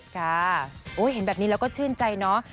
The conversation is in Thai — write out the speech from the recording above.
ค่ะเห็นแบบนี้เราก็ชื่นใจเนอะ